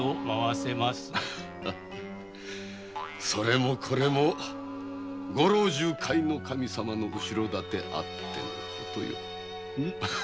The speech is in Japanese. それもこれも御老中板倉様の後ろ盾あってこそよ。